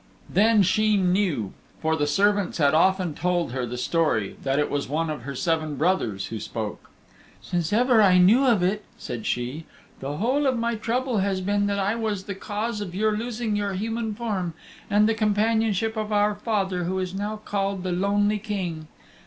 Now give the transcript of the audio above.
Then Sheen knew for the servants had often told her the story that it was one of her seven brothers who spoke. "Since ever I knew of it," said she, "the whole of my trouble has been that I was the cause of your losing your human form and the companionship of our father who is now called the Lonely King.